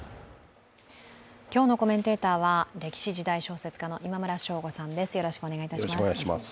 今日のコメンテーターは歴史・時代小説家の今村翔吾さんです。